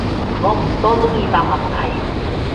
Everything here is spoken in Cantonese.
我唔多中意答問題